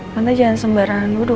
tante jangan sembarangan nuduh